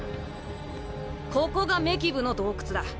ここがメキブの洞窟だ。